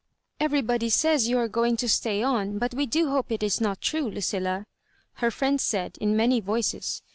"Everybody says you are ^ing to stay on, but we do hope it is not true, Lucilla,*' her friends said in many voices.